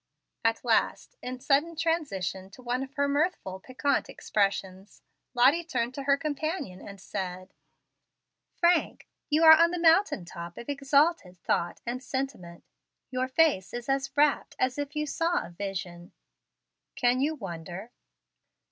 At last, in sudden transition to one of her mirthful, piquant expressions, Lottie turned to her companion and said: "Frank, you are on the mountain top of exalted thought and sentiment: Your face is as rapt as if you saw a vision." "Can you wonder?"